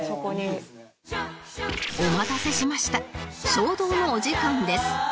お待たせしました衝動のお時間です